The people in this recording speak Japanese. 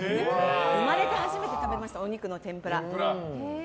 生まれて初めて食べましたお肉の天ぷら。